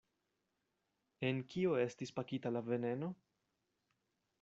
En kio estis pakita la veneno?